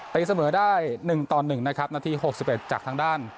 ตีเสมอได้หนึ่งต่อหนึ่งนะครับนาทีหกสิบเอ็ดจากทางด้าน